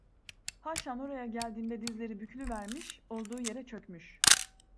Haşan oraya geldiğinde dizleri bükülüvermiş, olduğu yere çökmüş: